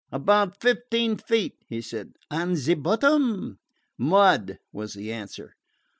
"About fifteen feet," he said. "What ze bottom?" "Mud," was the answer.